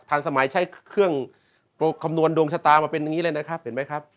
สมัยใช้เครื่องคำนวณดวงชะตามาเป็นอย่างนี้เลยนะครับเห็นไหมครับ